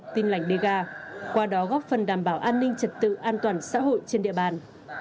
tin lành đề ga qua đó góp phần đảm bảo an ninh trật tự an toàn xã hội trên địa bàn